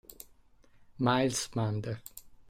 Miles Mander